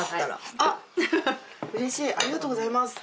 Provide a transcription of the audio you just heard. ありがとうございます。